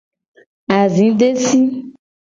Azi desi.